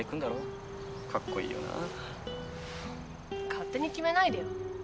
勝手に決めないでよ。